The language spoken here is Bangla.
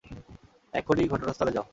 এক্ষুণি ঘটনাস্থলে যাও!